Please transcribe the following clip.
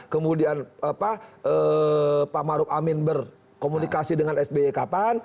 kemudian pak maruf amin berkomunikasi dengan sby kapan